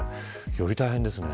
より大変ですね。